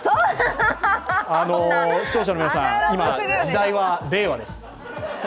視聴者の皆さん、今、時代は令和です。